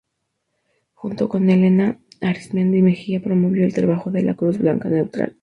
Junto con Elena Arizmendi Mejía, promovió el trabajo de La Cruz Blanca Neutral.